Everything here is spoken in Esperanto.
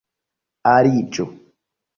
aliĝu